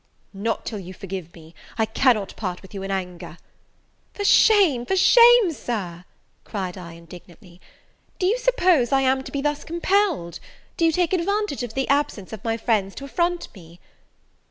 "Not till you forgive me! I cannot part with you in anger." "For shame, for shame, Sir!" cried I, indignantly, "do you suppose I am to be thus compelled? do you take advantage of the absence of my friends to affront me?"